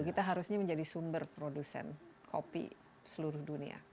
kita harusnya menjadi sumber produsen kopi seluruh dunia